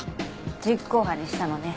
実行犯にしたのね。